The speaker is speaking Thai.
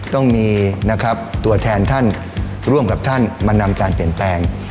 ต้องมีนะครับตัวแทนท่านร่วมกับท่านมานำการเปลี่ยนแปลง